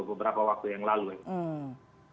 beberapa waktu yang lalu ya